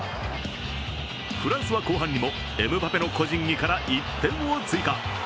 フランスは後半にもエムバペの個人技から１点を追加。